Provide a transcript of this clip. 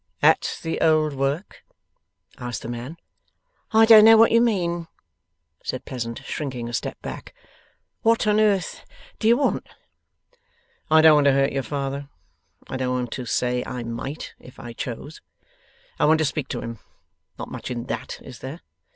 'At the old work?' asked the man. 'I don't know what you mean,' said Pleasant, shrinking a step back. 'What on earth d'ye want?' 'I don't want to hurt your father. I don't want to say I might, if I chose. I want to speak to him. Not much in that, is there?